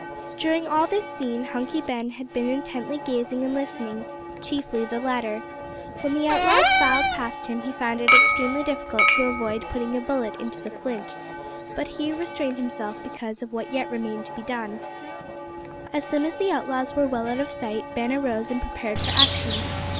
During all this scene Hunky Ben had been intently gazing and listening chiefly the latter. When the outlaws filed past him he found it extremely difficult to avoid putting a bullet into the Flint, but he restrained himself because of what yet remained to be done. As soon as the outlaws were well out of sight Ben arose and prepared for action.